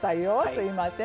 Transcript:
すいません。